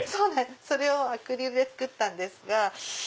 それをアクリルで作ったんです。